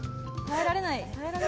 耐えられない。